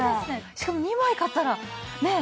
しかも２枚買ったらねえ。